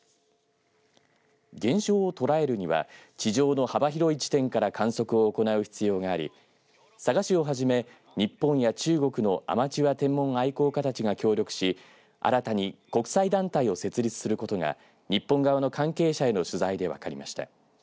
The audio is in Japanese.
現象を捉えるには地上の幅広い地点から観測を行う必要があり佐賀市を始め日本や中国のアマチュア天文愛好家たちが協力し新たに国際団体を設立することが日本側の関係者への取材で分かりました。